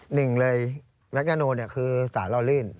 หนึ่งเลยแม็กซ์ยาโนเนี่ยคือสารรอลื่น